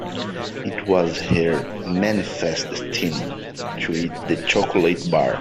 It was her manifest destiny to eat that chocolate bar.